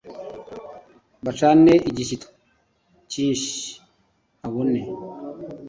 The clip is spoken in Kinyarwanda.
Bacane igishyito cyinshi habone